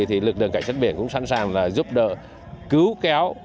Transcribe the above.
thì lực lượng cảnh sát biển cũng sẵn sàng giúp đỡ cứu kéo